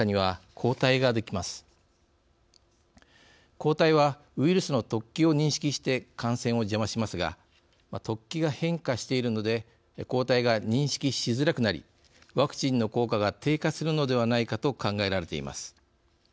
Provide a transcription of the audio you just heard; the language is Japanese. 抗体はウイルスの突起を認識して感染を邪魔しますが突起が変化しているので抗体が認識しづらくなりワクチンの効果が低下するのではないかと考えられています。